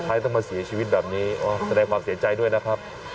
สุดท้ายต้องมาเสียชีวิตแบบนี้อ้อแต่ได้ความเสียใจด้วยนะครับ